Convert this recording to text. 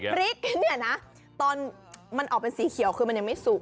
พริกเนี่ยนะตอนมันออกเป็นสีเขียวคือมันยังไม่สุก